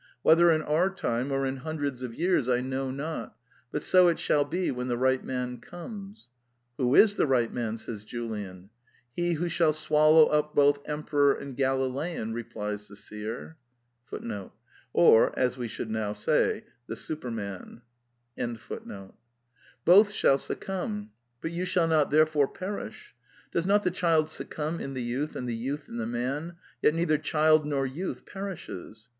" Whether in our time or in hundreds of years I know not; but so it shall be when the right man comes." " Who is the right man? " says Julian. ^" He who shall swallow up both emperor and Galilean," ^ replies the seer. " Both shall suc cumb ; but you shall not therefore perish. Does not the child succumb in the youth and the youth in the man : yet neither child nor youth perishes.